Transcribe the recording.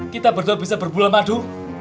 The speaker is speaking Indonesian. kita berdoa bisa berbulan madu